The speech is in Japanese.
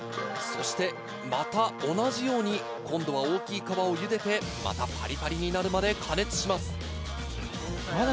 そしてまた同じように今度は大きい皮を茹でてまたパリパリになるまで加熱します。